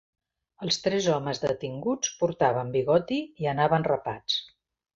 Els tres homes detinguts portaven bigoti i anaven rapats.